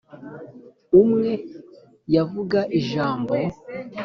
umwe yavuga ijambo